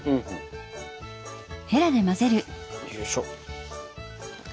よいしょ。